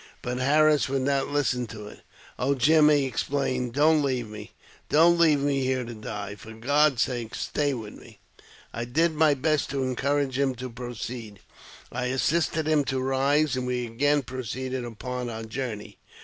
But Harris would not listen to it. " Oh, Jim," he exclaimed, " don't leave me ; don't leave me here to die ! For God's sake, stay with me !" I did my best to encourage him to proceed ; I assisted him to rise, and we again proceeded upon our journey.